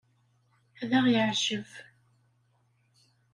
Ad aɣ-yeɛjeb.